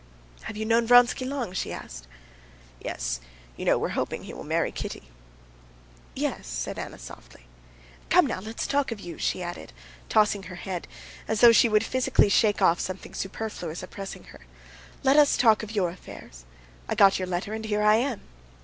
"Have you known Vronsky long?" she asked. "Yes. You know we're hoping he will marry Kitty." "Yes?" said Anna softly. "Come now, let us talk of you," she added, tossing her head, as though she would physically shake off something superfluous oppressing her. "Let us talk of your affairs. I got your letter, and here I am."